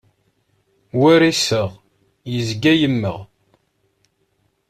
War iseɣ, yezga yemmeɣ.